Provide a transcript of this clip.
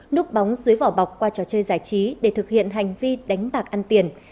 núp bóng dưới vỏ bọc qua trò chơi giải trí để thực hiện hành vi đánh bạc ăn tiền